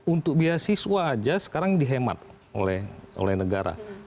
untuk beasiswa aja sekarang dihemat oleh negara